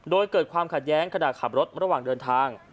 โดยเกิดความขัดแย้งขณะขับรถระหว่างเดินทาง